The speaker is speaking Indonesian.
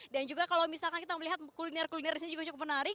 juga kalau misalkan kita melihat kuliner kuliner di sini juga cukup menarik